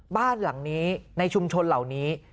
บ้านหลังนี้ในชุมชนเหล่านี้